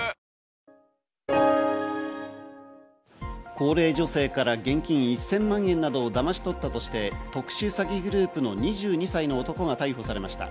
高齢女性から現金１０００万円などをだまし取ったとして、特殊詐欺グループの２２歳の男が逮捕されました。